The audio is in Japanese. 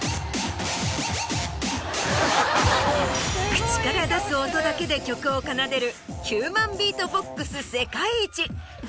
口から出す音だけで曲を奏でる。